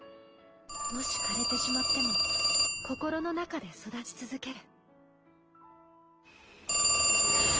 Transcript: もし枯れてしまっても心の中で育ち続ける。